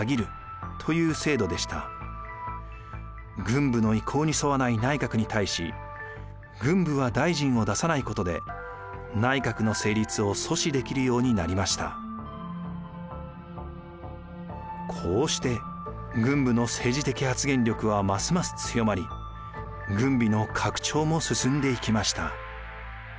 軍部の意向に沿わない内閣に対しこうして軍部の政治的発言力はますます強まり軍備の拡張も進んでいきました。